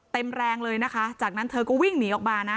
เต็มแรงเลยนะคะจากนั้นเธอก็วิ่งหนีออกมานะ